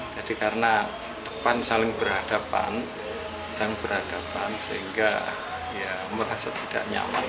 jadi karena depan saling berhadapan sehingga ya merasa tidak nyaman